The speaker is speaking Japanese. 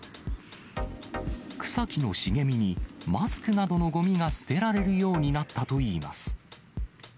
草木の茂みに、マスクなどのごみが捨てられるようになったといいます。